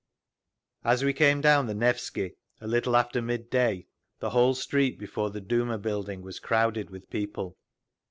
… As we came down the Nevsky a little after midday the whole street before the Duma building was crowded with people.